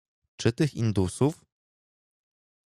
"Czy tych indusów?"